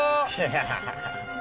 ハハハハ。